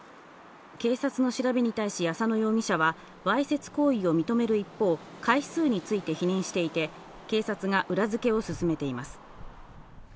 警察の調べに対し浅野容疑者はわいせつ行為を認める一方、回数について否認していて、警察が裏付けを進めています。